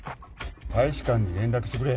大使館に連絡してくれ。